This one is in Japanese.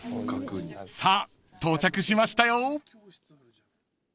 ［さあ到着しましたよ］